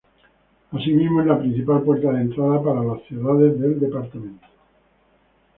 Asimismo es la principal puerta de entrada para las ciudades del departamento.